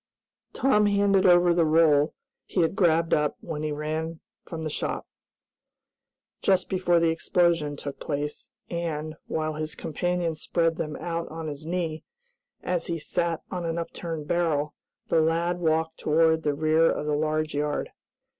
Tom handed over the roll he had grabbed up when he ran from the shop, just before the explosion took place, and, while his companion spread them out on his knee, as he sat on an upturned barrel, the lad walked toward the rear of the large yard.